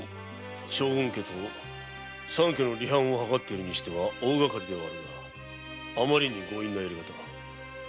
将軍家と三家の離反を図っているにしては大がかりではあるが余りにも強引なやりかた。